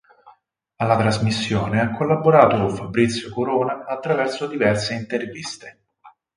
Alla trasmissione ha collaborato Fabrizio Corona attraverso diverse interviste.